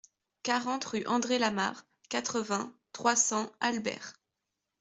quarante rue André Lamarre, quatre-vingts, trois cents, Albert